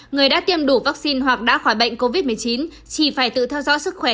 người đã tiêm đủ vaccine hoặc đã khỏi bệnh covid một mươi chín chỉ phải tự theo dõi sức khỏe